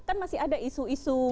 kan masih ada isu isu